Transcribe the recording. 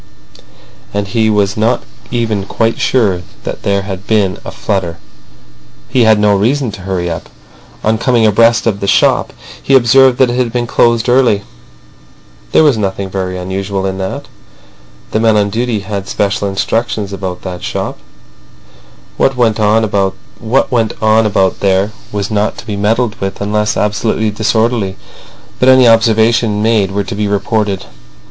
And he was not even quite sure that there had been a flutter. He had no reason to hurry up. On coming abreast of the shop he observed that it had been closed early. There was nothing very unusual in that. The men on duty had special instructions about that shop: what went on about there was not to be meddled with unless absolutely disorderly, but any observations made were to be reported.